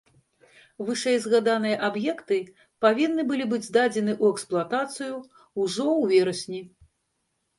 Вышэйзгаданыя аб'екты павінны былі быць здадзены ў эксплуатацыю ўжо ў верасні.